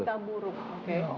berita buruk oke